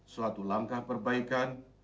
suatu langkah perbaikan